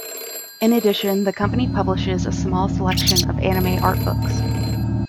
In addition, the company publishes a small selection of anime artbooks.